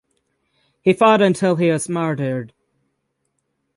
He fought until he was martyred.